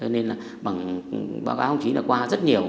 nên là bằng báo cáo không chí là qua rất nhiều